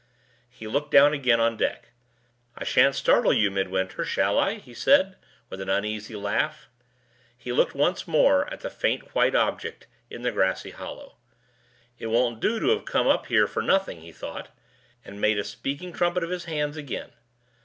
He looked down again on deck. "I shan't startle you, Midwinter, shall I?" he said, with an uneasy laugh. He looked once more at the faint white object, in the grassy hollow. "It won't do to have come up here for nothing," he thought, and made a speaking trumpet of his hands again.